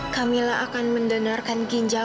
kamilah akan mendonorkan ginjal